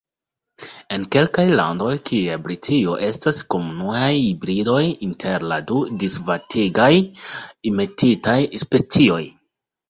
En kelkaj landoj, kiaj Britio, estas komunaj hibridoj inter la du disvastigataj Enmetitaj specioj.